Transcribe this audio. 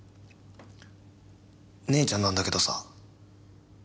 姉ちゃんなんだけどさ。